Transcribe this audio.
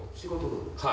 はい。